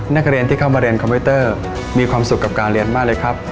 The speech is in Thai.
นักเรียนที่เข้ามาเรียนคอมพิวเตอร์มีความสุขกับการเรียนมากเลยครับ